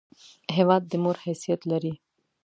هېواد د مور حیثیت لري!